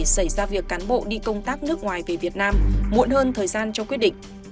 xảy ra việc cán bộ đi công tác nước ngoài về việt nam muộn hơn thời gian cho quyết định